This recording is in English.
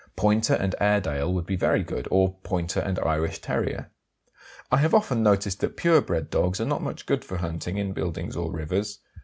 Pointer and Airedale would be very good, or pointer and Irish terrier. I have often noticed that pure bred dogs are not much good for hunting in buildings or rivers.